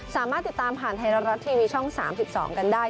สามารถติดตามผ่านไทยรัฐทีวีช่อง๓๒กันได้